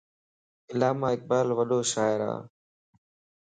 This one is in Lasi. علاما اقبال وڏو شاعر ا